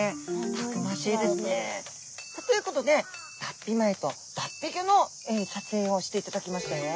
たくましいですね。ということで脱皮前と脱皮後の撮影をしていただきましたよ。